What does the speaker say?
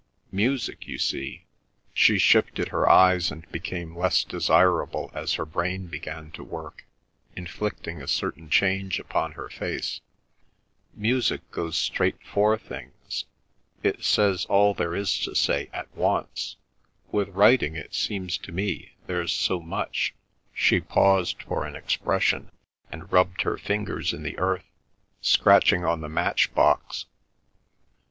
Music, you see"—she shifted her eyes, and became less desirable as her brain began to work, inflicting a certain change upon her face—"music goes straight for things. It says all there is to say at once. With writing it seems to me there's so much"—she paused for an expression, and rubbed her fingers in the earth—"scratching on the matchbox.